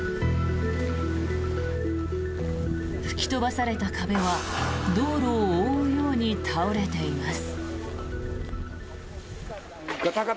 吹き飛ばされた壁は道路を覆うように倒れています。